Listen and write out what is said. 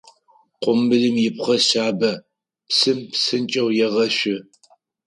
Къумбылым ипхъэ шъабэ, псым псынкӏэу егъэшъу.